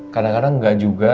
kadang kadang nggak juga